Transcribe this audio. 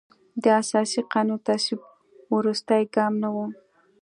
د اساسي قانون تصویب وروستی ګام نه و.